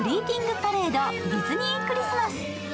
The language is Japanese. パレード：ディズニークリスマス。